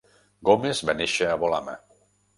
Gomes va néixer a Bolama.